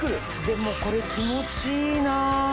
でもこれ気持ちいいなぁ。